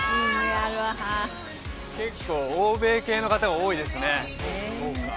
結構欧米系の方が多いですね